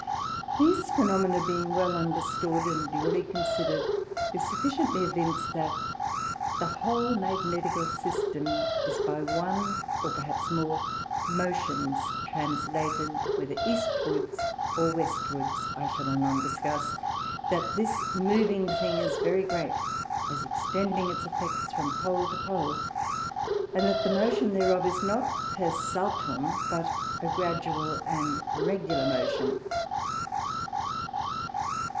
These Phænomena being well understood and duly consider'd, do sufficiently evince, That the whole Magnetical System is by one, or perhaps more motions translated, whether Eastwards or Westwards, I shall anon discuss; that this moving thing is very great, as extending its effects from Pole to Pole, and that the motion thereof is not per saltum, but a gradual and regular motion.